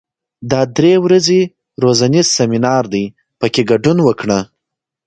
دا درې ورځنی روزنیز سیمینار دی، په کې ګډون وکړه.